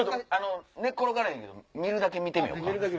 寝っ転がらへんけど見るだけ見てみようか。